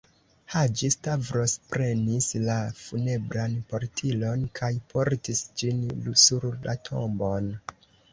Haĝi-Stavros prenis la funebran portilon kaj portis ĝin sur la tombon.